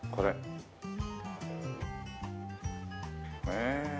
へえ。